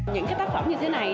những cái tác phẩm như thế này